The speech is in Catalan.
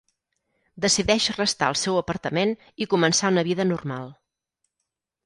Decideix restar al seu apartament i començar una vida normal.